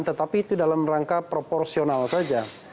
tetapi itu dalam rangka proporsional saja